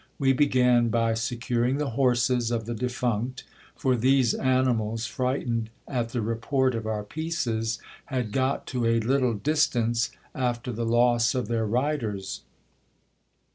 We began by securing the horses of the defunct ; for these animals, frightened at the report of our pieces, had got to a little dis tance, after the loss of their riders.